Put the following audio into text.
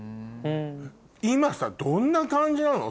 今さどんな感じなの？